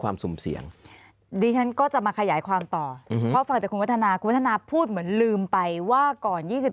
ความสุ่มเสียงก็จะมาขยายความต่อพูดเหมือนลืมไปว่าก่อน